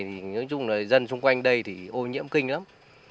thì nói chung là dân xung quanh đây thì ô nhiễm kinh lắm